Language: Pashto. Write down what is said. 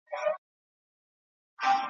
شمع یم یوه شپه په تیاره کي ځلېدلی یم ,